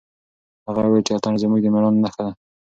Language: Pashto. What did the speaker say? هغه وویل چې اتڼ زموږ د مېړانې نښه ده.